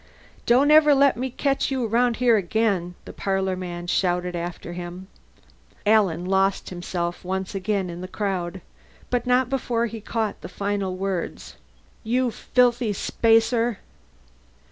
"Don't ever let me catch you around here again!" the parlor man shouted after him. Alan lost himself once again in the crowd, but not before he caught the final words: "You filthy spacer!"